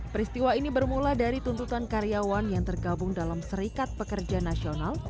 peristiwa ini bermula dari tuntutan karyawan yang tergabung dalam serikat pekerja nasional